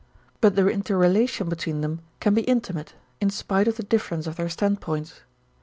But the interrelation between them can be intimate in spite of the difference of their standpoints.